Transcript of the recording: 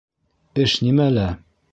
Эш нимәлә?